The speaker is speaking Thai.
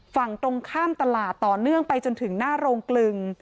ฝั่งตรงข้ามตลาดต่อเนื่องไปจนถึงหน้าโรงกลึง